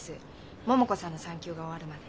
桃子さんの産休が終わるまで。